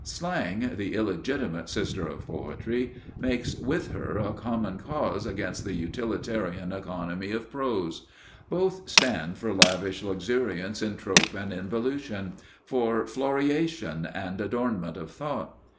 Slang, the illegitimate sister of Poetry, makes with her a common cause against the utilitarian economy of Prose. Both stand for lavish luxuriance in trope and involution, for floriation and adornment of thought.